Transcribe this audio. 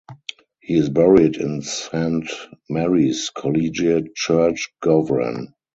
He is buried in Saint Mary's Collegiate Church Gowran.